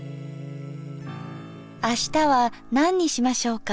あしたは何にしましょうか。